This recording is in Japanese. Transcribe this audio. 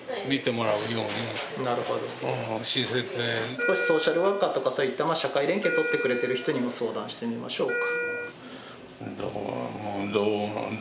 少しソーシャルワーカーとかそういった社会連携とってくれてる人にも相談してみましょうか。